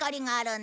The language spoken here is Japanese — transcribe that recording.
ん？